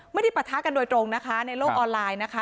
ปะทะกันโดยตรงนะคะในโลกออนไลน์นะคะ